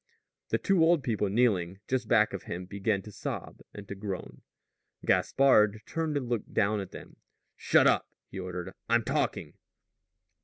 The two old people kneeling just back of him began to sob and to groan. Gaspard turned and looked down at them. "Shut up," he ordered; "I'm talking."